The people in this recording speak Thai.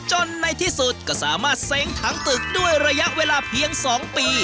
ในที่สุดก็สามารถเซ้งถังตึกด้วยระยะเวลาเพียง๒ปี